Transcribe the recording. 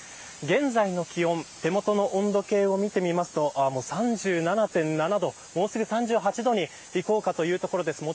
現在の気温手元の温度計を見てみるともう３７．７度もうすぐ３８度にいこうかというところです。